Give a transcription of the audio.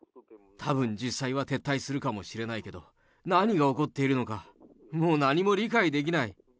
たぶん実際は撤退するかもしれないけど、何が起こっているのか、もう何も理解できない。